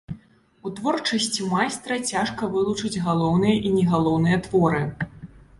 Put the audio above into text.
У творчасці майстра цяжка вылучыць галоўныя і не галоўныя творы.